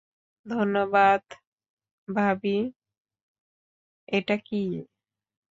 ধন্যবাদ, ভাবি এটা কি?